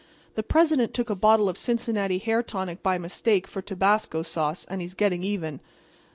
The President took a bottle of Cincinnati hair tonic by mistake for tabasco sauce, and he's getting even.